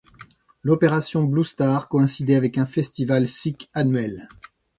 L'opération Blue Star coïncidait avec un festival sikh annuel.